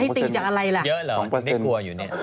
ตีจากอะไรล่ะเยอะเหรอไม่กลัวอยู่เนี่ย